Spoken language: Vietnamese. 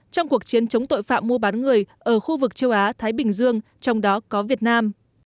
trong cuộc chiến chống tội phạm mua bán người ở khu vực châu á thái bình dương trong đó có việt nam